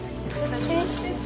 編集長。